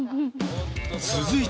続いて